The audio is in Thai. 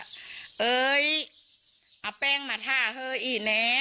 เฮ้ยเอาแป้งมาท่าเห้ออีเน